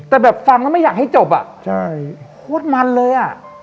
แต่ฟังแล้วไม่อยากให้จบโคตรมันเลย